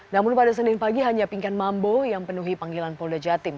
namun pada senin pagi hanya pingkan mambo yang penuhi panggilan polda jatim